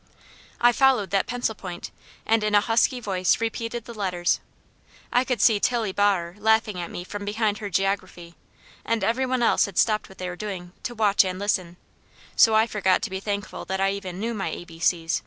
I followed that pencil point and in a husky voice repeated the letters. I could see Tillie Baher laughing at me from behind her geography, and every one else had stopped what they were doing to watch and listen, so I forgot to be thankful that I even knew my a b c's.